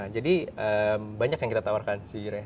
jadi banyak yang kita tawarkan sejujurnya